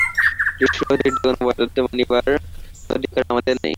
দৃশ্যের অতিরিক্ত কোন পদার্থ মানিবার কোন অধিকার আমাদের নাই।